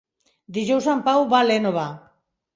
Dijous en Pau va a l'Énova.